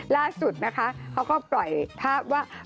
ล่าสุดนะคะเขาก็ปล่อยภาพว่า